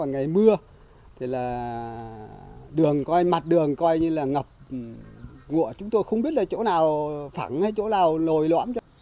ngày mưa thì là đường coi mặt đường coi như là ngập ngụa chúng tôi không biết là chỗ nào phẳng hay chỗ nào lồi loãm